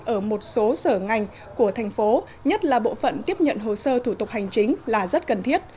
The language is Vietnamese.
ở một số sở ngành của thành phố nhất là bộ phận tiếp nhận hồ sơ thủ tục hành chính là rất cần thiết